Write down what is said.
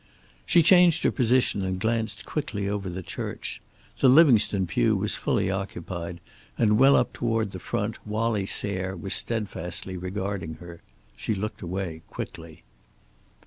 She changed her position, and glanced quickly over the church. The Livingstone pew was fully occupied, and well up toward the front, Wallie Sayre was steadfastly regarding her. She looked away quickly.